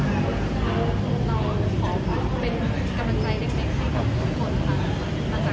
กับคุณเราชอบเป็นกำลังกรายปีกให้กับผู้ผู้คนกว่า